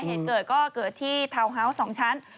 เหตุเกิดก็เกิดที่ทาวน์ฮาวส์๒ชั้น